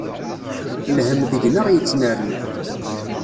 Lhem deg-neɣ yettnerni.